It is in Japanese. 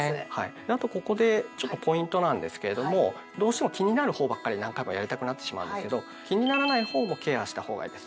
あとここでちょっとポイントなんですけれどもどうしても気になるほうばっかり何回もやりたくなってしまうんですけど気にならないほうもケアしたほうがいいです。